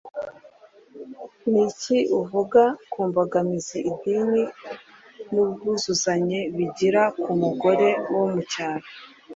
Ni iki uvuga ku mbogamizi idini n’ubwuvuzanye bigira ku mugore wo mu cyaro